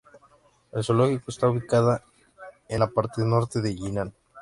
El zoológico está ubicado en la parte norte de Jinan.